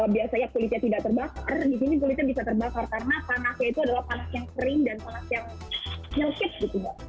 biasanya kulitnya tidak terbakar di sini kulitnya bisa terbakar karena panasnya itu adalah panas yang kering dan panas yang nyelkit gitu mbak